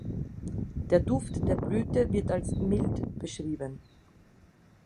Der Duft der Blüte wird als "mild" beschrieben.